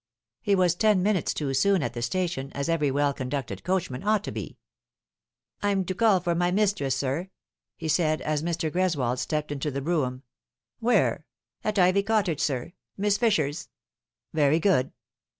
He was ten minutes too soon at the station, as every well conducted coachman ought to be. " I'm to call for my mistress, sir," he said, as Mr. Greswold stepped into the brougham. " Where ?"" At Ivy Cottage, sir : Miss Fisher's." " Very good."